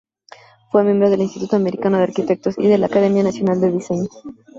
Fue miembro del Instituto Americano de Arquitectos, y de la Academia Nacional de Diseño.